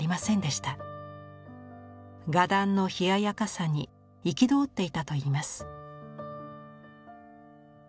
画壇の冷ややかさに憤っていたといいます。